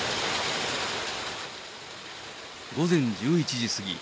午前１１時過ぎ。